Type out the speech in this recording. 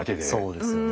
そうですよね。